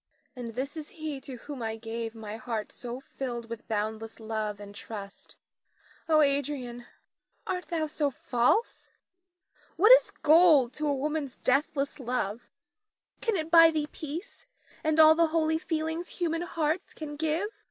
Nina. And this is he to whom I gave my heart so filled with boundless love and trust. Oh, Adrian, art thou so false? What is gold to a woman's deathless love? Can it buy thee peace and all the holy feelings human hearts can give?